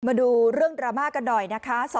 มาดูเรื่องดราม่ากันหน่อยนะคะ